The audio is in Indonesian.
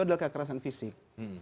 ini adalah kekerasan fisik